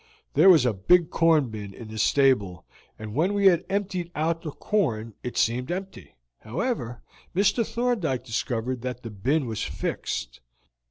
There was a big corn bin in the stable, and when we had emptied out the corn it seemed empty. However, Mr. Thorndyke discovered that the bin was fixed.